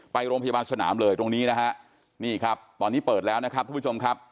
ไปโรงพยาบาลสนามเลยตรงนี้นะฮะนี่ครับตอนนี้เปิดแล้วนะครับทุกผู้ชมครับ